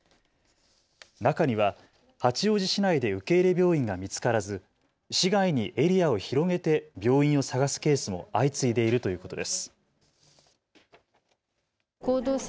中には八王子市内で受け入れ病院が見つからず市外にエリアを広げて病院を探すケースも相次いでいるということです。